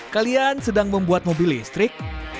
kalian sedang membuat mobil listrik